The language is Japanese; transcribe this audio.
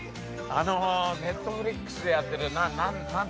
Ｎｅｔｆｌｉｘでやってる。